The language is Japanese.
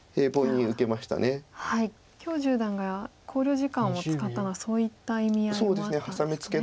許十段が考慮時間を使ったのはそういった意味合いもあった。